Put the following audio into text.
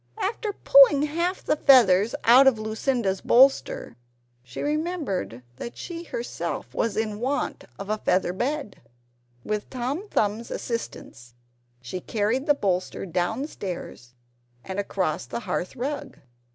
After pulling half the feathers out of Lucinda's bolster, she remembered that she herself was in want of a feather bed. With Tom Thumbs's assistance she carried the bolster downstairs, and across the hearth rug.